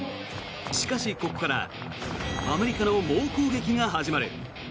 しかし、ここからアメリカの猛攻撃が始まる。